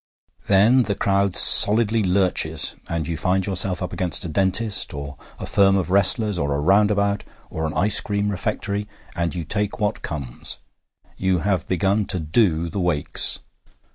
Then the crowd solidly lurches, and you find yourself up against a dentist, or a firm of wrestlers, or a roundabout, or an ice cream refectory, and you take what comes. You have begun to 'do' the Wakes.